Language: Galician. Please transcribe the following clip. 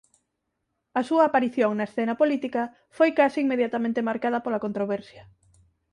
A súa aparición na escena política foi case inmediatamente marcada pola controversia.